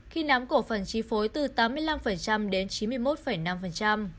khi nắm cổ phần chi phối từ tám mươi năm đến chín mươi một năm